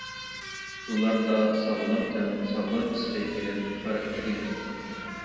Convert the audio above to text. ئۇلاردا ساغلام تەن، ساغلام پىسخىكىلىق خاراكتېر يېتىلسۇن!